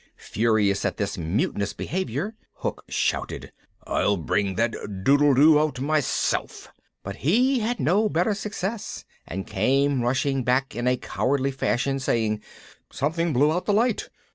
Furious at this mutinous behaviour, Hook shouted, "I'll bring that doodledoo out myself," but he had no better success, and came rushing back in a cowardly fashion, saying: "Something blew out the light."